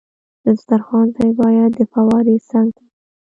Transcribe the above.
د دسترخوان ځای باید د فوارې څنګ ته وي.